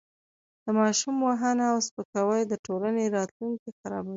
د ماشوم وهنه او سپکاوی د ټولنې راتلونکی خرابوي.